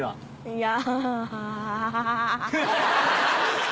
いや。